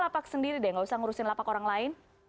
lapak sendiri deh nggak usah ngurusin lapak orang lain